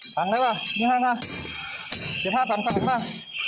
พังได้หรือเปล่านี่ห้าง่าย